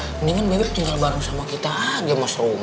mendingan bebek tinggal bareng sama kita aja mas romi